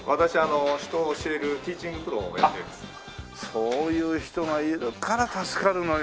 そういう人がいるから助かるのよ。